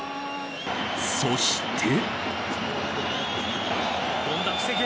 そして。